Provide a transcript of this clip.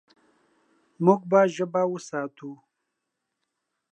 موږ به ژبه وساتو.